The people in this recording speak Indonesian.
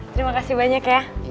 terima kasih banyak ya